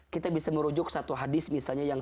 kita bisa merujuk satu hadis misalnya yang